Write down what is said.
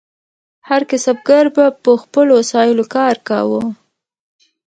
هر کسبګر به په خپلو وسایلو کار کاوه.